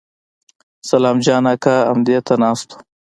سلام جان اکا امدې ته ناست و.